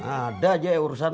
ada aja ya urusan